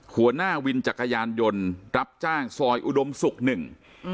หัวหน้าวินจักรยานยนต์รับจ้างซอยอุดมศุกร์หนึ่งอืม